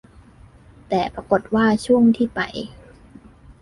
แต่ปรากฎว่าช่วงที่ไป